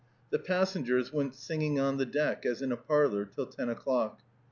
The passengers went singing on the deck, as in a parlor, till ten o'clock.